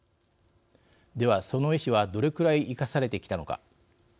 では、その意思はどれくらい生かされてきたのか。